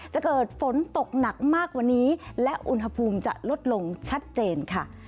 จะเกิดฝนตกหนักมากกว่านี้และอุณหภูมิจะลดลงชัดเจนค่ะ